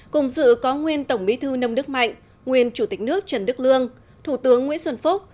cùng dự có nguyên tổng bí thư nông đức mạnh nguyên chủ tịch nước trần đức lương thủ tướng nguyễn xuân phúc